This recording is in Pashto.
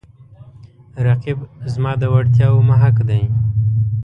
رقیب زما د وړتیاو محک دی